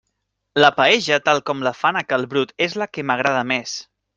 La paella tal com la fan a cal Brut és la que m'agrada més.